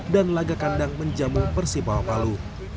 dan laga kandang menjamu persipawa palu